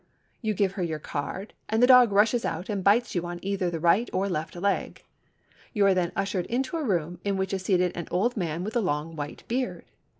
You give her your card and the dog rushes out and bites you on either the right or left leg. You are then ushered into a room in which is seated an old man with a long white beard.